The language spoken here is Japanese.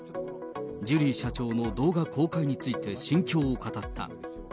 ジュリー社長の動画公開について心境を語った。